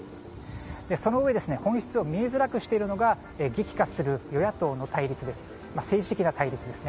そのうえ、本質を見えづらくしているのが激化する与野党の政治的な対立です。